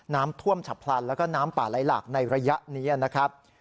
น้ำท่วมฉับพลันแล้วก็น้ำป่าไหลหลากในระยะนี้นะครับ